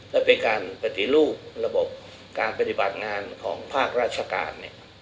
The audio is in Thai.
และเป็นการปฏิรูประบบการปฏิบัติงานของภาคราชการ